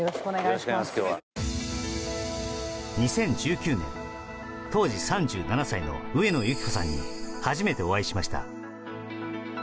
２０１９年、当時３７歳の上野由岐子さんに初めてお会いしました。